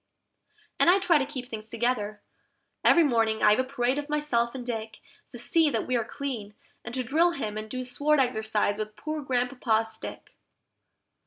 And I try to keep things together: every morning I have a parade of myself and Dick, To see that we are clean, and to drill him and do sword exercise with poor Grandpapa's stick.